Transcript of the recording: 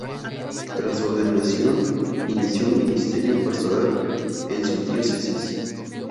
Tras su ordenación, inició su ministerio pastoral en su diócesis.